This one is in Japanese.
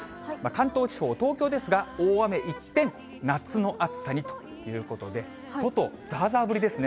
関東地方、東京ですが、大雨一転、夏の暑さにということで、外、ざーざー降りです。